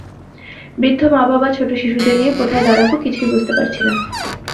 বৃদ্ধ মা-বাবা, ছোট শিশুদের নিয়ে কোথায় দাঁড়াব কিছুই বুঝতে পারছি না।